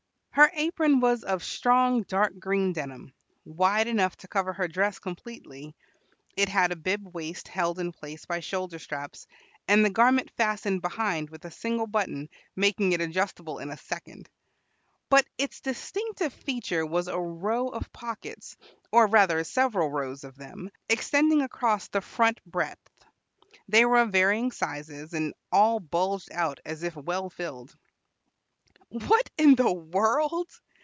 Her apron was of strong dark green denim, wide enough to cover her dress completely; it had a bib waist held in place by shoulder straps; and the garment fastened behind with a single button, making it adjustable in a second. But its distinctive feature was a row of pockets or rather several rows of them extending across the front breadth; they were of varying sizes, and all bulged out as if well filled. "What in the world?"